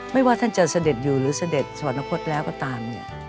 ว่าท่านจะเสด็จอยู่หรือเสด็จสวรรคตแล้วก็ตามเนี่ย